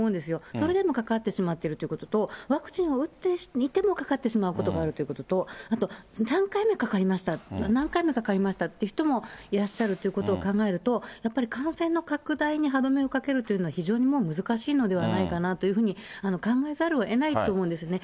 それでもかかってしまってるということと、ワクチンを打っていてもかかってしまうことがあるということと、あと、３回目かかりました、何回目かかりましたっていう方もいらっしゃるということを考えると、やっぱり感染の拡大に歯止めをかけるというのは非常にもう、難しいのではないかなというふうに考えざるをえないと思うんですよね。